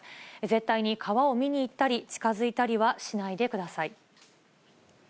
絶対に川を見に行ったり、近づいたりはしないでください。